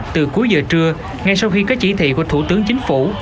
từ cuối giờ trưa ngay sau khi có chỉ thị của thủ tướng chính phủ